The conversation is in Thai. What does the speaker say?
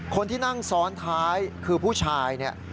คนที่นั่งซ้อนท้ายคือผู้ชายเนี่ย